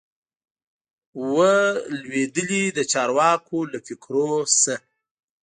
وه لوېدلي د چارواکو له فکرو سه